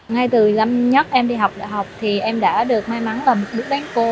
ngay từ năm nhất em đi học em đã được may mắn là một bức đánh cô